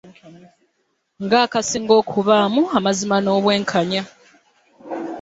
Ng'akasinga okubaamu amazima n'obwenkanya.